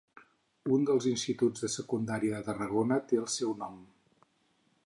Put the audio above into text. Un dels instituts de secundària de Tarragona té el seu nom.